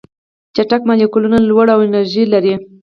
چټک مالیکولونه لوړه انرژي لري.